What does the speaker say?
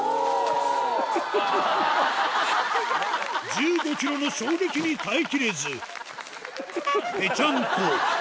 １５キロの衝撃に耐えきれず、ぺちゃんこ。